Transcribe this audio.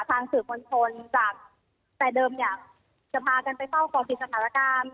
สื่อมวลชนจากแต่เดิมเนี่ยจะพากันไปเฝ้าก่อติดสถานการณ์